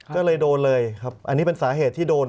ก็เลยโดนเลยครับอันนี้เป็นสาเหตุที่โดน